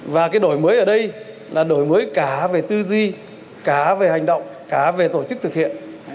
và cái đổi mới ở đây là đổi mới cả về tư duy cả về hành động cả về tổ chức thực hiện